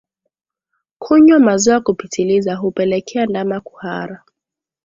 Kunywa maziwa kupitiliza hupelekea ndama kuhara